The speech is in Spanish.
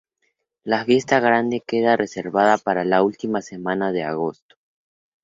La fiesta grande queda reservada para la última semana de agosto.